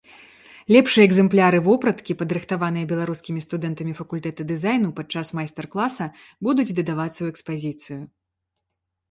Лепшыя экземпляры вопраткі, падрыхтаваныя беларускімі студэнтамі факультэта дызайну падчас майстар-класа, будуць дадавацца ў экспазіцыю.